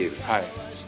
はい。